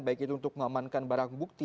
baik itu untuk mengamankan barang bukti